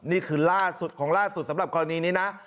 นี่คือล่าสุดของล่าสุดสำหรับกรณีนี้นะ